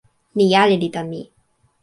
ni ali li tan mi.